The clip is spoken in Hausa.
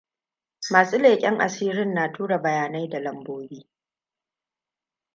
Masu leken asirin na tura bayanai da lambobi.